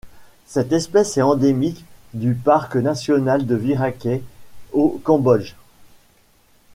Cette espèce est endémique du parc national de Virachey au Cambodge.